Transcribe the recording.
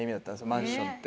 「マンション」って。